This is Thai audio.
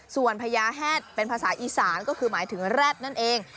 ส่วนพญาแฮดเป็นภาษาอีสานก็คือหมายถึงแร็ดนั่นเอง